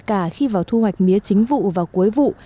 cả khi vào thu hoạch mía chính vụ và cuối vụ